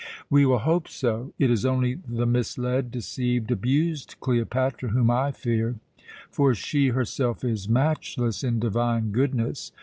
"We will hope so. It is only the misled, deceived, abused Cleopatra whom I fear; for she herself is matchless in divine goodness.